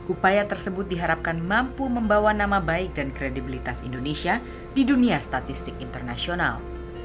upaya tersebut diharapkan mampu membawa nama baik dan kredibilitas indonesia di dunia statistik internasional